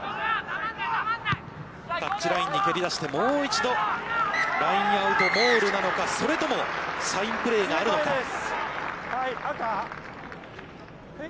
タッチラインに蹴り出して、もう一度、ラインアウトモールなのか、それともサインプレーがあるのか。